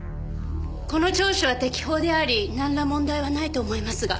この聴取は適法でありなんら問題はないと思いますが。